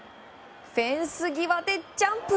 フェンス際でジャンプ！